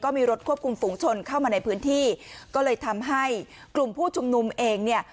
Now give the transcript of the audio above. มีรถควบคุมฝูงชนเข้ามาในพื้นที่ก็เลยทำให้กลุ่มผู้ชุมนุมเองเนี่ย